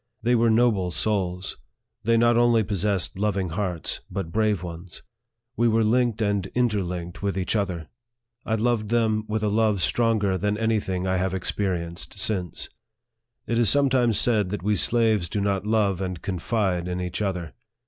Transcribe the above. They were noble souls ; they not only possessed loving hearts, but brave ones. We were linked and inter LIFE OF FREDERICK DOUGLASS. 83 linked with each other. I loved them with a love stronger than any thing I have experienced since. It is sometimes said that we slaves do not love and con fide in each other.